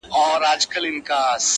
ایله چي په امان دي له واسکټه سوه وګړي-